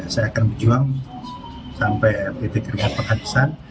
saya akan berjuang sampai titik titik penghadisan